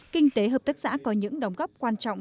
kinh tế hợp tác xã có những đóng góp quan trọng